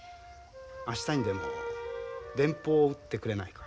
明日にでも電報を打ってくれないか。